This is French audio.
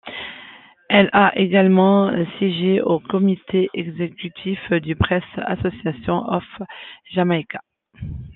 Elle a également siégé au comité exécutif du Press Association of Jamaica.